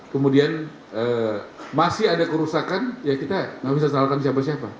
kemudian masih ada kerusakan ya kita nggak bisa salahkan siapa siapa